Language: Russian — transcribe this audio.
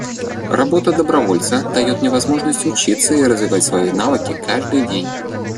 Работа добровольца дает мне возможность учиться и развивать свои навыки каждый день.